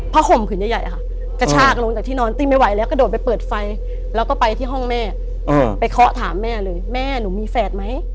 ห่มผืนใหญ่ค่ะกระชากลงจากที่นอนติ้งไม่ไหวแล้วกระโดดไปเปิดไฟแล้วก็ไปที่ห้องแม่ไปเคาะถามแม่เลยแม่หนูมีแฝดไหม